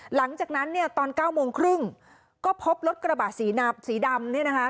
หลังจากนั้นเนี่ยตอนเก้าโมงครึ่งก็พบรถกระบะสีดำเนี่ยนะคะ